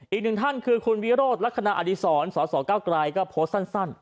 อีกหนึ่งท่านคือคุณวิโรธลักษณะอดีศรสสเก้าไกรก็โพสต์สั้น